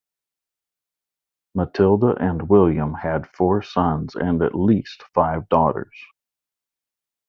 Matilda and William had four sons and at least five daughters.